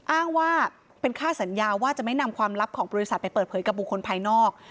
อ้างว่าเป็นค่าสัญญาว่าจะไม่นำความลับของบริษัทไปเปิดเผยกับบุคคลภายนอก